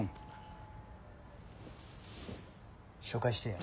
紹介してや。